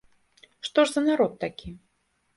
Што ж за народ такі?